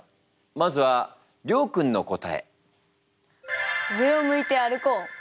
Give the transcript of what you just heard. まずはリョウ君の答え。